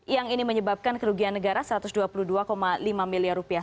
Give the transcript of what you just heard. yang ini menyebabkan kerugian negara satu ratus dua puluh dua lima miliar rupiah